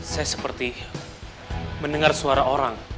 saya seperti mendengar suara orang